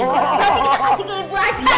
berarti dia kasih ke ibu aja